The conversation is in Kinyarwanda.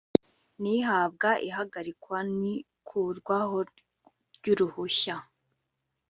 n ihabwa ihagarikwa n ikurwaho ry uruhushya